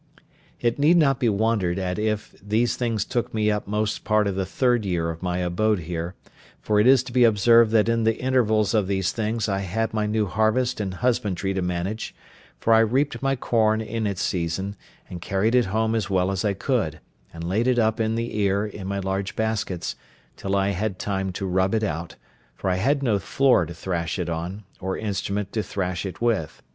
It need not be wondered at if all these things took me up most part of the third year of my abode here; for it is to be observed that in the intervals of these things I had my new harvest and husbandry to manage; for I reaped my corn in its season, and carried it home as well as I could, and laid it up in the ear, in my large baskets, till I had time to rub it out, for I had no floor to thrash it on, or instrument to thrash it with.